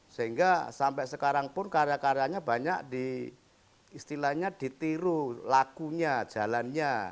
sehingga sampai sekarang pun karya karyanya banyak diistilahnya ditiru lakunya jalannya